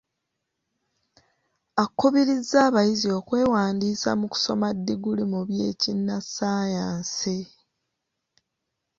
Akubirizza abayizi okwewandiisa mu kusoma ddiguli mu by'ekinnasayansi.